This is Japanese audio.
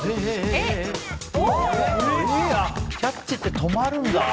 キャッチって、止まるんだ。